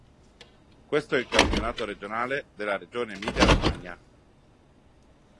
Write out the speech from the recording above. Questo è il campionato regionale della regione Emilia-Romagna.